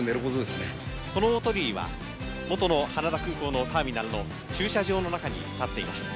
この大鳥居は、元の羽田空港のターミナルの駐車場の中に建っていました。